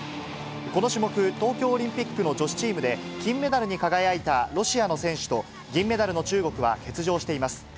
この種目、東京オリンピックの女子チームで、金メダルに輝いたロシアの選手と、銀メダルの中国は欠場しています。